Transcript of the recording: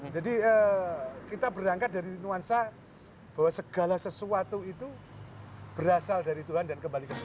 jadi kita berangkat dari nuansa bahwa segala sesuatu itu berasal dari tuhan dan kembalikan ke tuhan